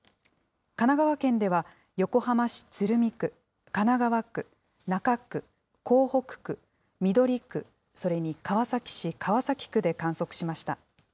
神奈川県では横浜市鶴見区、神奈川区、中区、港北区、緑区、それに川崎市川崎区で観測しました。